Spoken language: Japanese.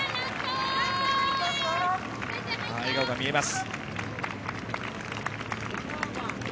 笑顔が見えます。